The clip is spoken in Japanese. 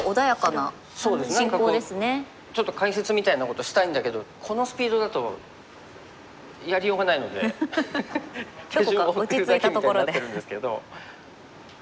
ちょっと解説みたいなことしたいんだけどこのスピードだとやりようがないので手順を追ってるだけみたいになってるんですけど。